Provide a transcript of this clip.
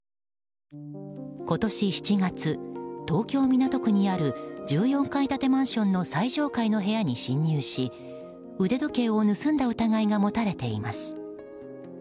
今年７月、東京・港区にある１４階建てマンションの最上階の部屋に侵入し腕時計を盗んだ疑いが持たれています。